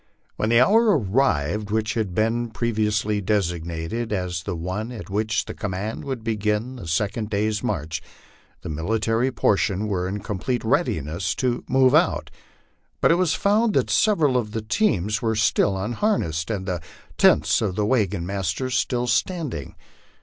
When the hour arrived which had been pre viously designated as the one at which the command would begin the second day's march, the military portion were in complete readiness to " move out," but it was found that several of the teams were still unharnessed and the tents of the wagon masters still standing.